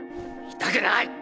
痛くない！